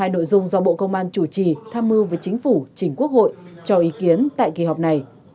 hai nội dung do bộ công an chủ trì tham mưu với chính phủ chỉnh quốc hội cho ý kiến tại kỳ họp này